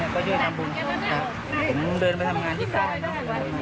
ก็อย่างน้อยนะ